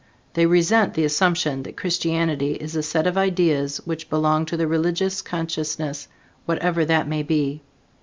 They resent the assumption that Christianity is a set of ideas which belong to the religious consciousness, whatever that may be.